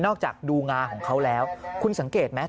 จากดูงาของเขาแล้วคุณสังเกตไหม